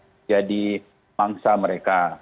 bisa jadi mangsa mereka